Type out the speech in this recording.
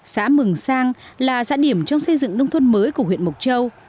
xã mừng sang là giã điểm trong xây dựng nông thuần mới của huyện mộc châu